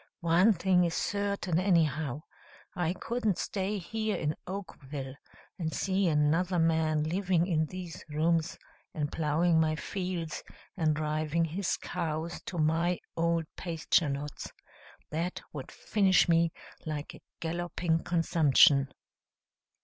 One thing is certain, anyhow I couldn't stay here in Oakville, and see another man living in these rooms, and plowing my fields, and driving his cows to my old pasture lots. That would finish me like a galloping consumption."